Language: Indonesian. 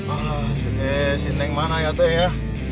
alah si neng si neng mana ya teh ya